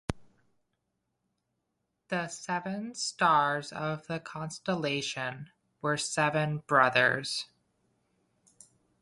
The seven stars of the constellation were seven brothers.